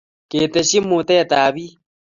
ketesyi mutetab biik